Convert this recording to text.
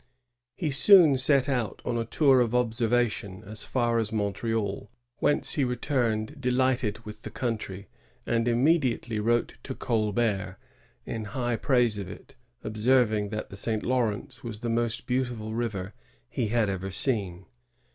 He soon set out on a tour of observation as far as Montreal, whence he returned delighted with the countiy, and immediately wrote to Colbert in high praise of it, observing that the St. Lawrence was the most beautiful river he had ever seen.